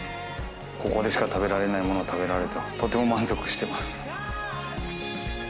ここでしか食べられない物食べられてとても満足してます。